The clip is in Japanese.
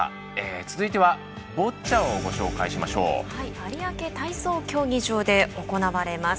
有明体操競技場で行われます。